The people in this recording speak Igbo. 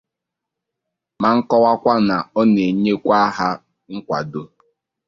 ma kọwakwa na ọ na-enyekwa ha nkwàdo